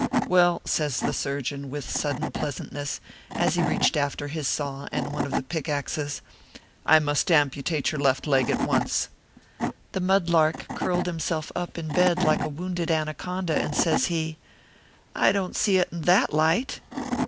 Well," says the surgeon, with sudden pleasantness, as he reached after his saw and one of the pick axes, " I must amputate your left leg at once." The mud lark curled himself up in bed like a wounded anaconda, and says he :" I don t see it in that light."